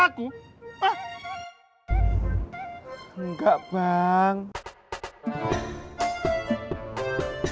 aku mau ngajak ani